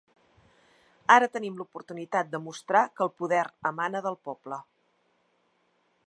Ara tenim l’oportunitat de mostrar que el poder emana del poble.